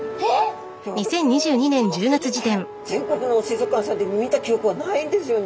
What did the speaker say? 全国の水族館さんで見た記憶がないんですよね。